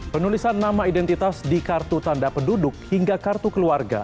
penulisan nama identitas di kartu tanda penduduk hingga kartu keluarga